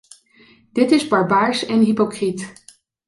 Dit is barbaars en hypocriet.